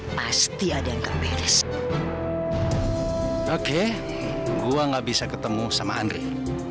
pasti ada yang tak beres